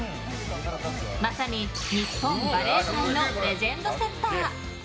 まさに日本バレー界のレジェンドセッター。